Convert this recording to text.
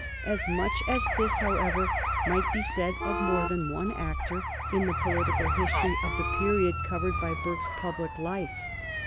As much as this, however, might be said of more than one actor in the political history of the period covered by Burke's public life.